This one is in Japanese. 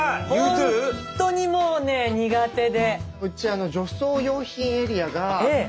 ほんとにもうね苦手で。